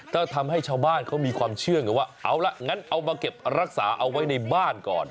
ก็ทำให้ชาวบ้านเขามีความเชื่อไงว่าเอาละงั้นเอามาเก็บรักษาเอาไว้ในบ้านก่อน